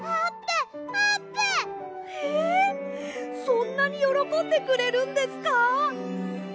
そんなによろこんでくれるんですか？